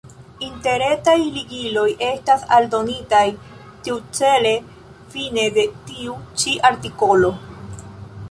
Interretaj ligiloj estas aldonitaj tiucele fine de tiu ĉi artikolo.